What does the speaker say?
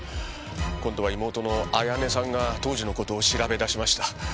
今度は妹の彩音さんが当時の事を調べ出しました。